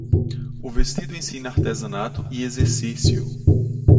O vestido ensina artesanato e exercício.